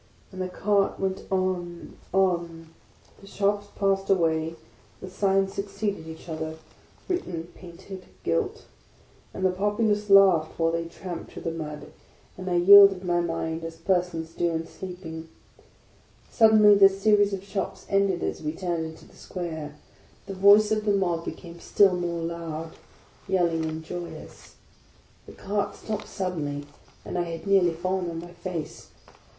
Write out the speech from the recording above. And the cart went on, on. The shops passed away; the signs succeeded each other, — written, painted, gilt; and the populace laughed while they tramped through the mud ; and I yielded my mind, as persons do in sleepingo Suddenly this series of shops ended as we turned into the square; the voice I 98 THE LAST DAY of the mob became still more loud, yelling, and joyous; the cart stopped suddenly, and I had nearly fallen on my face.